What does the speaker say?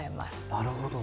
なるほど。